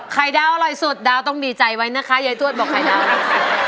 ไข่ดาวอร่อยสุดดาวต้องดีใจไว้นะคะยายทวดบอกไข่ดาวนะคะ